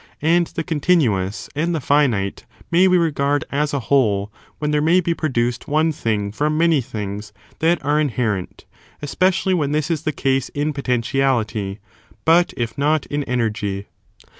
And the continuous and the finite may we regard as a whole when there may be produced one thing from many things that are inherent, especially when this is the case in potentiality, but if not in energy.